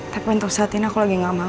tapi untuk saat ini aku lagi gak mau